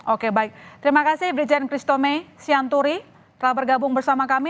oke baik terima kasih brigjen christomey sianturi telah bergabung bersama kami